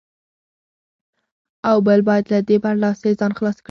او بل باید له دې برلاسۍ ځان خلاص کړي.